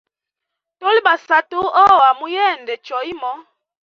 Tuli basatu ohawa muyende choimo.